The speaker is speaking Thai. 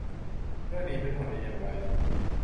เรื่องนี้เป็นผลดีอย่างไร